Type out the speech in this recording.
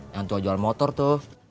yang tua jual jual motor tuh